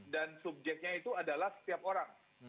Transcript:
dan subjeknya itu adalah setiap orang